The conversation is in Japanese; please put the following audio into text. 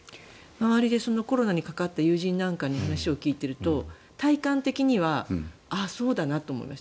周りでコロナにかかった友人なんかに話を聞いていると体感的にはああ、そうだなと思いました。